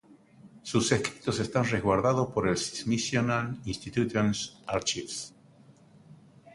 Sus escritos están resguardados por el Smithsonian Institution Archives.